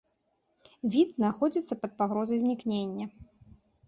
Від знаходзіцца пад пагрозай знікнення.